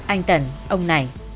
anh tần ông này